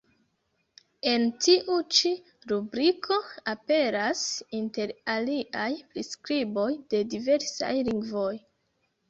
En tiu ĉi rubriko aperas, inter aliaj, priskriboj de diversaj lingvoj.